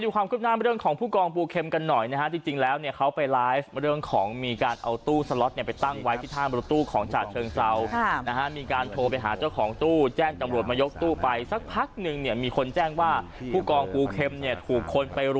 เขาไปดูความคุกนะเรื่องของภูกร